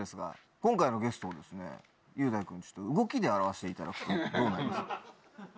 今回のゲストを雄大君動きで表していただくとどうなりますか？